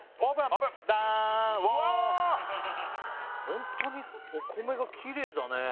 ホントにお米がきれいだね